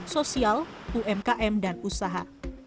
sosial umkm dan usia